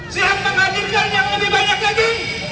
sehat menghadirkan yang lebih banyak lagi